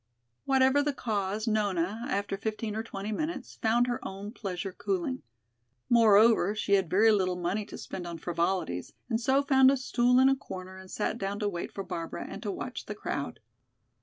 Whatever the cause, Nona, after fifteen or twenty minutes, found her own pleasure cooling. Moreover, she had very little money to spend on frivolities, and so found a stool in a corner and sat down to wait for Barbara and to watch the crowd.